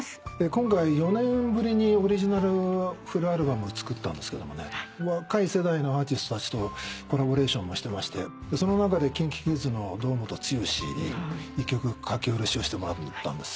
今回４年ぶりにオリジナルフルアルバムを作ったんですけどもね若い世代のアーティストたちとコラボレーションもしてましてその中でＫｉｎＫｉＫｉｄｓの堂本剛に１曲書き下ろしをしてもらったんです。